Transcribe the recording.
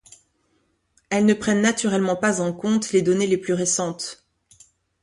Elles ne prennent naturellement pas en compte les données les plus récentes.